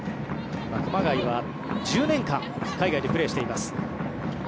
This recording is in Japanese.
熊谷は１０年間海外でプレーしています。